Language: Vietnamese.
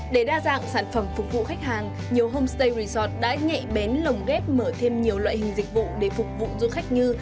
để đa dạng sản phẩm phục vụ khách hàng nhiều homestay resort đã nhẹ bén lồng ghép mở thêm nhiều loại hình dịch vụ để phục vụ du khách như